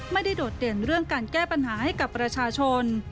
โดดเด่นเรื่องการแก้ปัญหาให้กับประชาชน